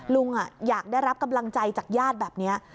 ลุงอยากได้รับกำลังใจจากญาติแบบนี้